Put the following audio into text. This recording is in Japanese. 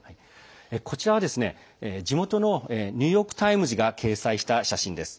こちらは地元のニューヨーク・タイムズが掲載した写真です。